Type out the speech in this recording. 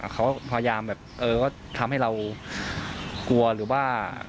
เขาพยายามแบบว่าทำให้เรากลัวหรือว่า